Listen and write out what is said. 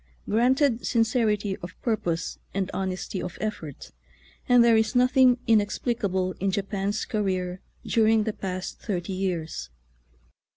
Granted sincerity of purpose and honesty of effort, and there is nothing inexplicable in Japan's career during the past thirty years.